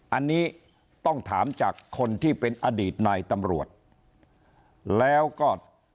อันนี้ต้องถามจากคนที่เป็นอดีตนายตำรวจแล้วก็